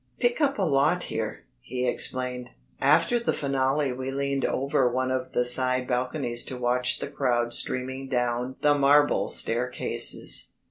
"Pick up a lot here," he explained. After the finale we leaned over one of the side balconies to watch the crowd streaming down the marble staircases.